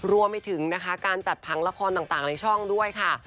รวมไปถึงนะคะการจัดผังละครต่างในช่องด้วยค่ะ